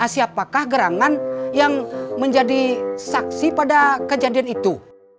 siapakah gerangan yang menjadi saksi pada kejadian itu